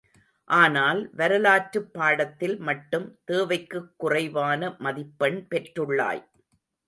ஆனால் வரலாற்றுப் பாடத்தில் மட்டும் தேவைக்குக் குறைவான மதிப்பெண் பெற்றுள்ளாய்.